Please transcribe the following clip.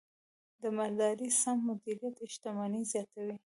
د مالدارۍ سم مدیریت شتمني زیاتوي.